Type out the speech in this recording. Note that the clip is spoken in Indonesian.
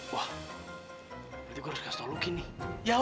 wah berarti gue harus kasih tau login nih